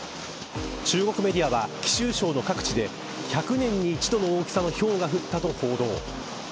中国メディアは貴州省の各地で１００年に一度の大きさのひょうが降ったと報道。